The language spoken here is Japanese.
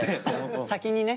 先にね。